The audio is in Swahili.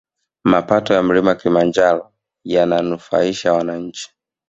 Mapato ya mlima kilimanjaro yananufaisha wananchi